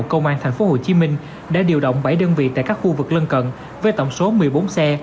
công an tp hcm đã điều động bảy đơn vị tại các khu vực lân cận với tổng số một mươi bốn xe